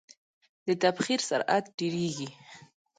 د تبخیر سرعت ډیریږي.